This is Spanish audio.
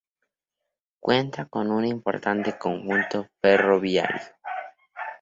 Cuenta con un importante conjunto ferroviario.